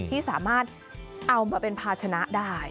ที่สามารถเอามาเป็นภาชนะได้